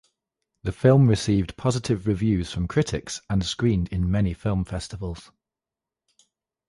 The film received positive reviews from critics and screened in many film festivals.